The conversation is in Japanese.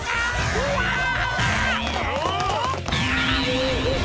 うわっ！